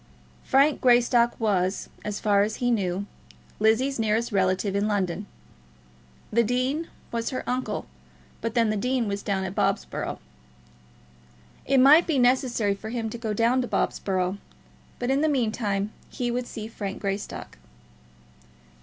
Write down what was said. Frank Greystock was, as far as he knew, Lizzie's nearest relative in London. The dean was her uncle, but then the dean was down at Bobsborough. It might be necessary for him to go down to Bobsborough; but in the meantime he would see Frank Greystock.